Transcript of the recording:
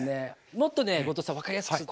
もっとね後藤さん分かりやすくする。